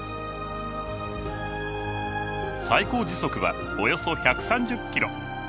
最高時速はおよそ１３０キロ。